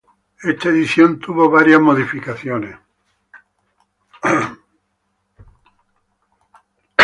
Esta edición tuvo varias modificaciones.